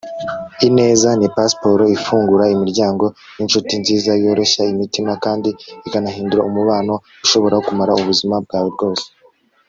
ineza ni pasiporo ifungura imiryango ninshuti nziza. yoroshya imitima kandi ikanahindura umubano ushobora kumara ubuzima bwawe bwose